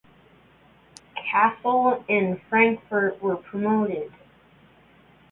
Kassel and Frankfurt were promoted.